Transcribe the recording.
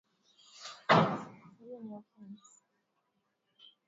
Ziwa Manyara hupokea maji yake kutoka kwenye ardhi chepechepe ya Bubu